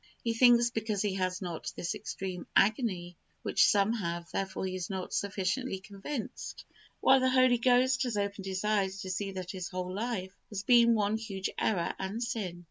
He thinks because he has not this extreme agony which some have, therefore he is not sufficiently convinced, while the Holy Ghost has opened his eyes to see that his whole life has been one huge error and sin.